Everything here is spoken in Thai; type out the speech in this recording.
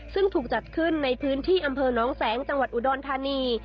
ซึ่งถูกจัดขึ้นในพื้นที่อำเภอน้องแสงจังหวัดอุดรธานี